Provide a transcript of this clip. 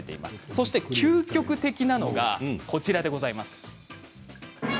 そして、究極的なのがこちらです。